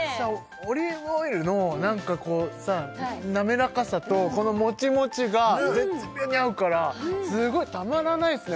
オリーブオイルのなんかこうさ滑らかさとこのモチモチが絶妙に合うからすごいたまらないっすね